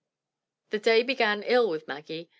The day began ill with Maggie.